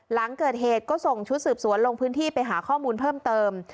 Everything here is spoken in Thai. หลังเกิดเหตุก็ส่งชุดสืบสวนลงพื้นที่ไปหาข้อมูลเพิ่มเติม